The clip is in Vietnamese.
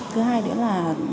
thứ hai nữa là